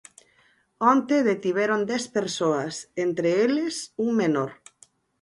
Onte detiveron dez persoas, entre eles un menor.